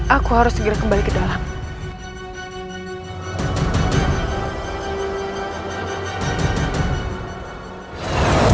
aku harus segera kembali ke dalam